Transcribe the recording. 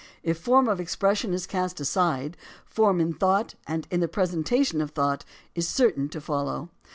If form of expression is cast aside, form in thought and in the presentation of thought is certain to follow.